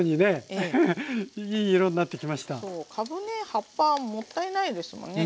そうかぶね葉っぱもったいないですもんね。